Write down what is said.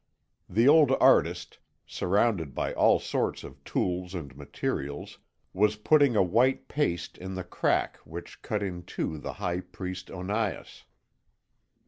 The old artist, surrounded by all sorts of tools and materials, was putting a white paste in the crack which cut in two the High Priest Onias.